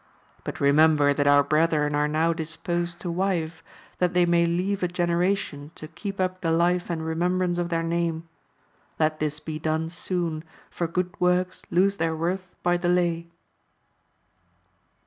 But remember that our brethren are now disposed to wive, that they may leave a generation to keep up the life and remembrance of their name ; let this be done soon, for good works lose their worth by delay.